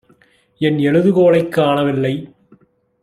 என் எழுதுகோலைக் காணவில்லை.